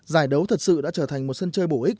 giải đấu thật sự đã trở thành một sân chơi bổ ích